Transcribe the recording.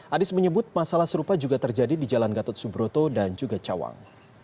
anies menyebut masalah serupa juga terjadi di jalan gatot subroto dan juga cawang